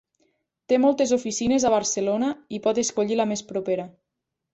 Té moltes oficines a Barcelona i pot escollir la més propera.